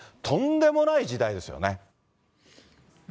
とんでもない時代ですね。